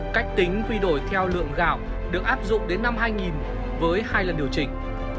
cách tính quy đổi theo lượng gạo được áp dụng đến năm hai nghìn với hai lần điều chỉnh